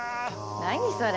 何それ。